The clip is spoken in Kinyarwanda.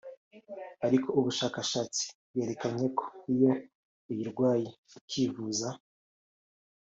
ariko ubushakashatsi bwerekanye ko iyo uyirwaye ukivuza